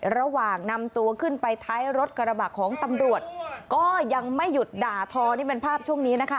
ระหว่างนำตัวขึ้นไปท้ายรถกระบะของตำรวจก็ยังไม่หยุดด่าทอนี่เป็นภาพช่วงนี้นะคะ